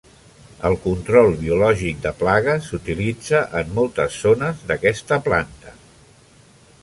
El control biològic de plagues s'utilitza en moltes zones d'aquesta planta.